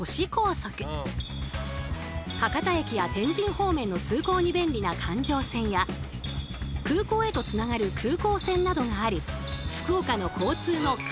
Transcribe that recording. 博多駅や天神方面の通行に便利な環状線や空港へとつながる空港線などがある福岡の交通の要。